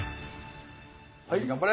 はい頑張れ！